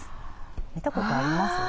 見たことあります？